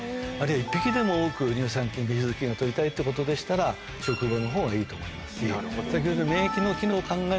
１匹でも多く乳酸菌ビフィズス菌を取りたいってことでしたら食後のほうがいいと思いますし。